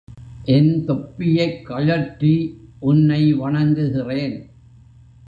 என் தொப்பியைக் கழற்றி உன்னை வணங்குகிறேன்!